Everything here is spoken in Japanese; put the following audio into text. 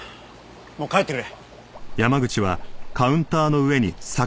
もう帰ってくれ。